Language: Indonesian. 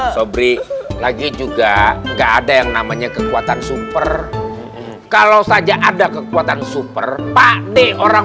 sobri lagi juga enggak ada yang namanya kekuatan super kalau saja ada kekuatan super pasti orang